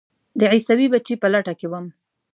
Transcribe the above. د عیسوي بچي په لټه کې وم.